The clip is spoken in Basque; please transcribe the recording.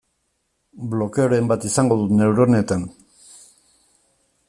Blokeoren bat izango dut neuronetan.